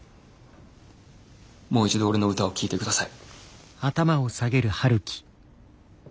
もう一度俺の歌を聴いて下さい。